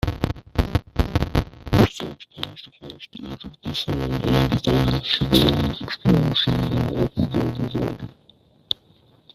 The fox pounced across the edge of the farm, only to find a safari explorer singing an opera by Vivaldi.